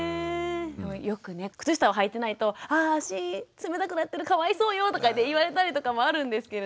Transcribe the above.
よくね靴下をはいてないと「あ足冷たくなってるかわいそうよ」とか言われたりとかもあるんですけれども。